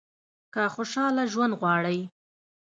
که خوشاله ژوند غواړئ .